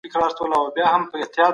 پخوانی دولت خپل واک نوي ته سپاري.